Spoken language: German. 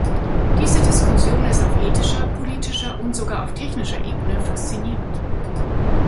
Diese Diskussion ist auf ethischer, politischer und sogar auf technischer Ebene faszinierend.